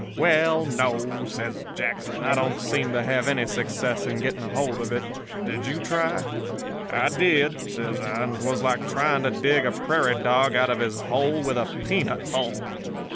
"'Well, no,' says Jackson. 'I don't seem to have any success in getting hold of it. Did you try?' "'I did,' says I, 'and 'twas like trying to dig a prairie dog out of his hole with a peanut hull.